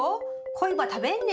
「こいば食べんね」。